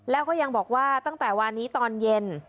แล้วก็ยังบอกว่าตั้งแต่วานนี้ตอนเย็น